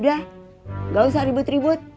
dah gak usah ribut ribut